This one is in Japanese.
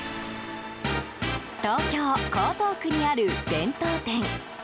東京・江東区にある弁当店。